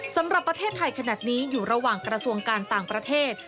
สำหรับประเทศไทยขนาดนี้อยู่ระหว่างกระทรวงการต่างประเทศ